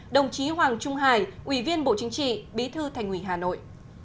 đồng chí hoàng trung hải ủy viên bộ chính trị bí thư thành ủy hà nội